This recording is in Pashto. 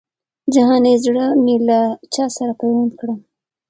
جهاني زړه مي له چا سره پیوند کړم